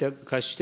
て